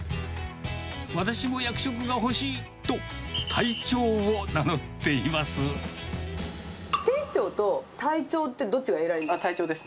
私も役職が欲しいと、店長と隊長って、どっちが偉隊長です。